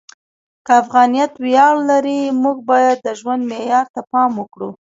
که افغانیت ویاړ لري، موږ باید د ژوند معیار ته پام وکړو.